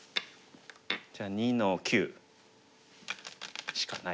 じゃあ２の九しかない。